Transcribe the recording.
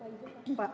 terima kasih pak